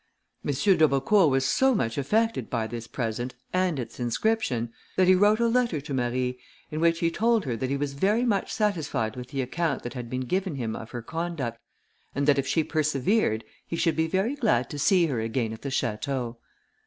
M. d'Aubecourt was so much affected by this present, and its inscription, that he wrote a letter to Marie, in which he told her that he was very much satisfied with the account that had been given him of her conduct, and that if she persevered he should be very glad to see her again at the château.